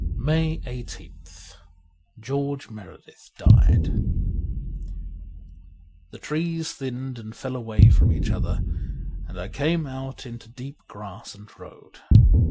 ^ 150 MAY 1 8th GEORGE MEREDITH DIED THE trees thinned and fell away from each other, and I came out into deep grass and a road.